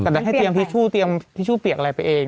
แต่ก็ให้เตรียมทิชชู่เปียกอะไรไปเอง